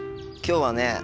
今日はね